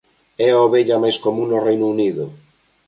É a ovella máis común no Reino Unido.